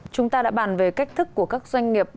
chúng ta đã bàn về cách thức của các doanh nghiệp